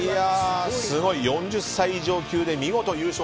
４０歳以上級で見事優勝。